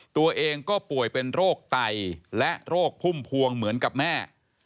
ตัวเองก็ป่วยเป็นโรคไตและโรคพุ่มพวงเหมือนกับแม่